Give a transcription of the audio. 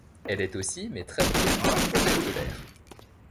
Elle est aussi, mais très brièvement, hôtesse de l'air.